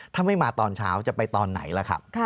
ถ้าไม่มาตอนเช้าจะไปตอนไหนล่ะครับ